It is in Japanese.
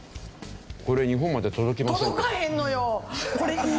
これ日本まで届きませんけど。